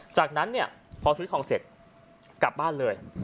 จากนั้นเนี่ยพอซื้อทองเสร็จกลับบ้านเลย